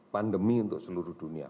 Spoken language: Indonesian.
pandemi untuk seluruh dunia